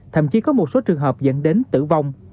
thậm chí có một số trường hợp dẫn đến tử vong